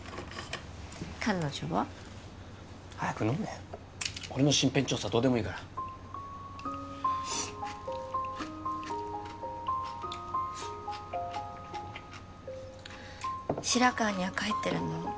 彼女は？早く飲めよ俺の身辺調査どうでもいいから白川には帰ってるの？